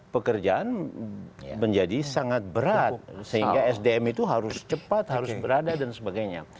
dan kemudian menjadi sangat berat sehingga sdm itu harus cepat harus berada dan sebagainya